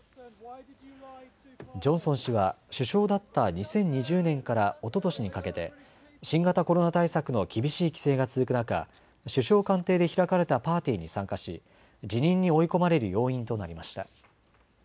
ジョンソン氏は首相だった２０２０年からおととしにかけて新型コロナ対策の厳しい規制が続く中、首相官邸で開かれたパーティーに参加し、辞任に追い込まれる要因となりました。